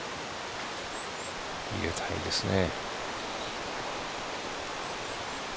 入れたいですね。